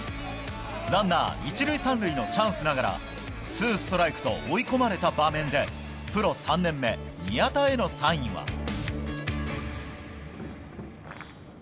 ランナー１塁３塁のチャンスながらツーストライクと追い込まれた場面でプロ３年目、宮田へのサインは。